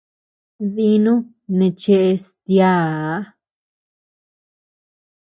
Dínu neʼe cheʼes tiäa.